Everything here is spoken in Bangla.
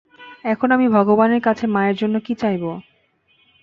এখন আমি ভগবানের কাছে মায়ের জন্য কি চাইবো?